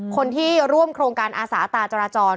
คนที่ร่วมโครงการอาสาตาจราจร